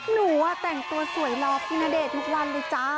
หนูแต่งตัวสวยรอพี่ณเดชน์ทุกวันเลยจ้า